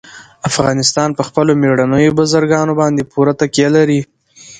افغانستان په خپلو مېړنیو بزګانو باندې پوره تکیه لري.